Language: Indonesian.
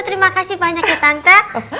terima kasih banyak ya tante